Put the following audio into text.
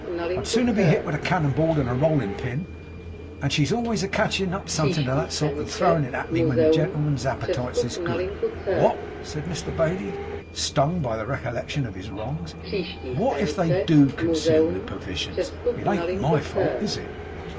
I'd sooner be hit with a cannon ball than a rolling pin, and she's always a catching up something of that sort, and throwing it at me, when the gentlemans' appetites is good. Wot,' said Mr Bailey, stung by the recollection of his wrongs, 'wot, if they DO consume the per vishuns. It an't MY fault, is it?